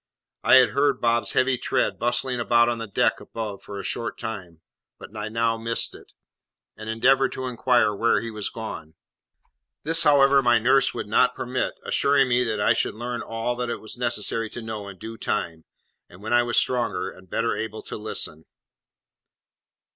I had heard Bob's heavy tread bustling about on the deck above for a short time, but I now missed it, and endeavoured to inquire where he was gone; this, however, my nurse would not permit, assuring me that I should learn all that it was necessary to know in due time, and when I was stronger and better able to listen.